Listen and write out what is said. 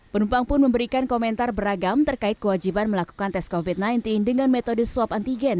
penumpang pun memberikan komentar beragam terkait kewajiban melakukan tes covid sembilan belas dengan metode swab antigen